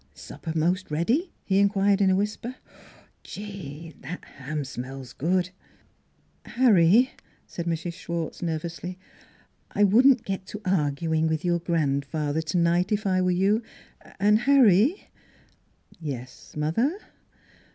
"Supper most ready?" he inquired in a whisper. " Gee ! but that ham smells good!" " Harry," said Mrs. Schwartz nervously, " I wouldn't get to arguing with your grandfather tonight, if I were you. And, Harry "" Yes, mother."